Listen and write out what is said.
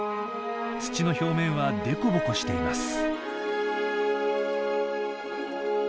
土の表面はでこぼこしています。